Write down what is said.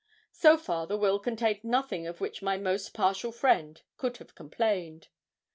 So far the will contained nothing of which my most partial friend could have complained.